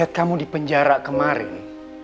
lihat kamu di penjara kemarin